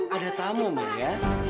ada tamu maria